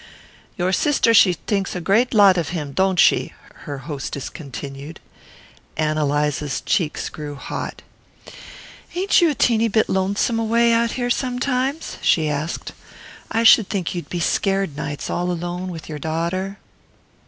"Your sister she thinks a great lot of him, don't she?" her hostess continued. Ann Eliza's cheeks grew hot. "Ain't you a teeny bit lonesome away out here sometimes?" she asked. "I should think you'd be scared nights, all alone with your daughter."